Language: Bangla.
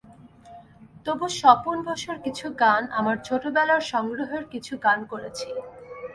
তবু স্বপন বসুর কিছু গান, আমার ছোটবেলার সংগ্রহের কিছু গান করেছি।